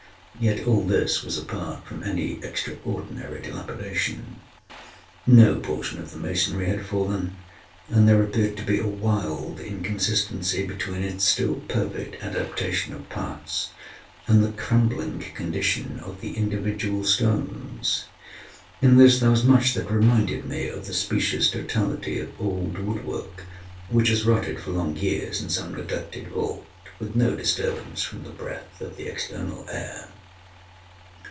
Yet all this was apart from any extraordinary dilapidation. No portion of the masonry had fallen; and there appeared to be a wild inconsistency between its still perfect adaptation of parts, and the crumbling condition of the individual stones. In this there was much that reminded me of the specious totality of old wood work which has rotted for long years in some neglected vault, with no disturbance from the breath of the external air.